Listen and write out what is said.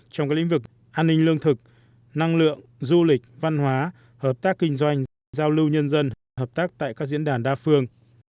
trong các lĩnh vực an ninh lương thực năng lượng du lịch văn hóa hợp tác kinh doanh giao lưu nhân dân hợp tác tại các diễn đàn đa phương